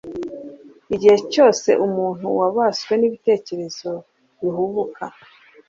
Igihe cyose umuntu wabaswe n'ibitekerezo bihubuka,